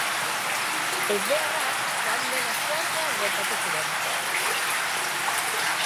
Ezbeharra joan den asteartean gertatu ziren.